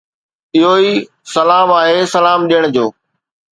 اهو ئي سلام آهي سلام ڏيڻ جو.